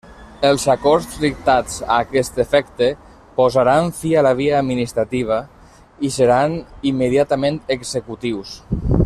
Els acords dictats a aquest efecte posaran fi a la via administrativa i seran immediatament executius.